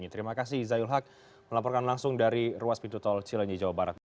terima kasih zayul haq melaporkan langsung dari ruas pintu tol cilenyi jawa barat